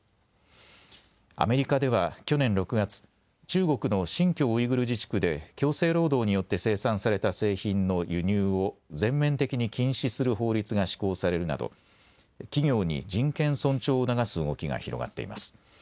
アメリカでは去年６月、中国の新疆ウイグル自治区で強制労働によって生産された製品の輸入を全面的に禁止する法律が施行されるなど企業に人権尊重を促す動きが広がっています。